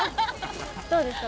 どうですか？